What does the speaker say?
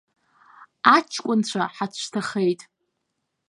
Аҷкәынцәа ҳацәҭахеит.